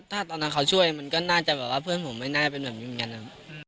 ถ้าตอนนั้นเขาช่วยมันก็น่าจะแบบว่าเพื่อนผมไม่น่าเป็นแบบนี้เหมือนกันนะครับ